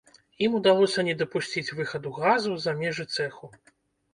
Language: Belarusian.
Ім удалося не дапусціць выхаду газу за межы цэху.